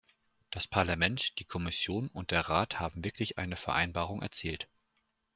Das Parlament, die Kommission und der Rat haben wirklich eine Vereinbarung erzielt.